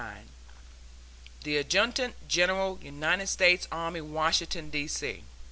THE ADJUTANT GENERAL, UNITED STATES ARMY, Washington, D. C.